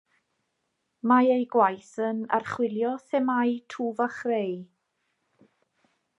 Mae ei gwaith yn archwilio themâu twf a chreu.